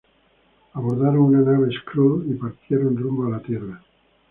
Abordaron una nave Skrull y partieron rumbo a la Tierra.